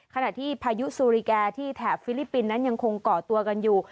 ขณะที่พายุซูริแกที่แถบฟิลิปปินส์นั้นยังคงก่อตัวกันอยู่